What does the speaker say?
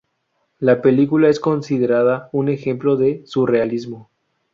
La película es considerada un ejemplo de surrealismo.